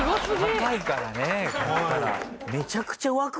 高いからね買ったら。